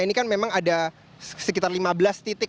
ini kan memang ada sekitar lima belas titik